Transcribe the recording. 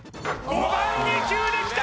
５番２球できた！